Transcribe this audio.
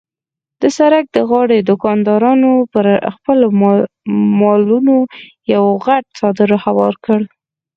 د سړک د غاړې دوکاندارانو به پر خپلو مالونو یو غټ څادر هوار کړ.